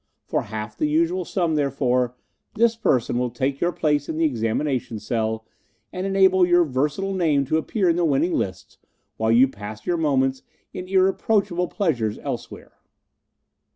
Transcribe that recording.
For half the usual sum, therefore, this person will take your place in the examination cell, and enable your versatile name to appear in the winning lists, while you pass your moments in irreproachable pleasures elsewhere."